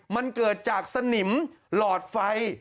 มันเกิดจากสนิมหลอดไฟ